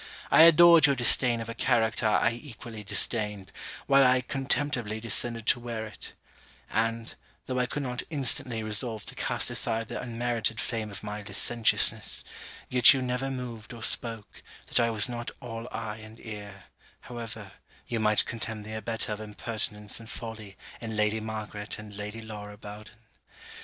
I adored your disdain of a character I equally disdained, while I contemptibly descended to wear it; and, though I could not instantly resolve to cast aside the unmerited fame of my licentiousness, yet you never moved or spoke, that I was not all eye and ear, however, you might contemn the abettor of impertinence and folly in Lady Margaret and Lady Laura Bowden.